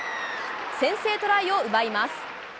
先制トライを奪います。